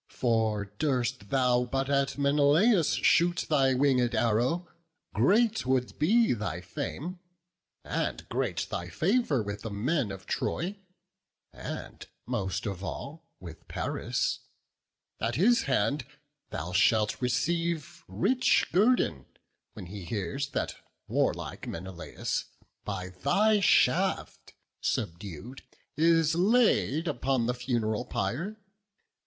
For durst thou but at Menelaus shoot Thy winged arrow, great would be thy fame, And great thy favour with the men of Troy, And most of all with Paris; at his hand Thou shalt receive rich guerdon, when he hears That warlike Menelaus, by thy shaft Subdued, is laid upon the fun'ral pyre.